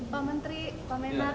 pak menteri pak memak